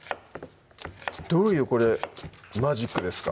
どういうこれマジックですか？